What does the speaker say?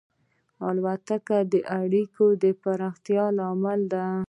الوتکه د اړیکو پراختیا لامل ده.